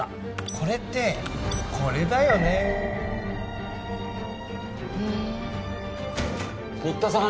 これってこれだよねーへー新田さん